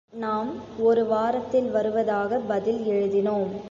நாம் ஒரு வாரத்தில் வருவதாகப் பதில் எழுதினோம்.